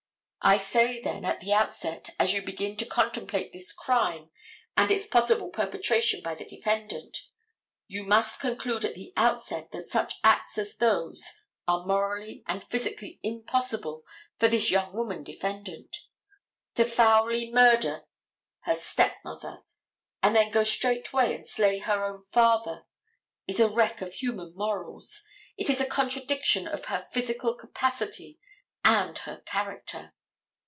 I say, then, at the outset, as you begin to contemplate this crime and its possible perpetration by the defendant, you must conclude at the outset that such acts as those are morally and physically impossible for this young woman defendant. To foully murder her stepmother, and then go straightway and slay her own father is a wreck of human morals; it is a contradiction of her physical capacity and her character.